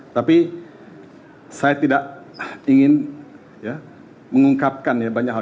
tapi saya tidak ingin mengungkapkan ya banyak hal